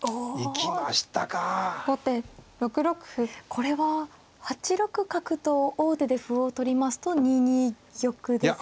これは８六角と王手で歩を取りますと２二玉です。